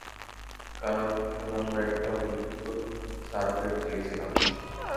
কারণ-- কারণ আমরা একটা উপযুক্ত সারোগেট চেয়েছিলাম।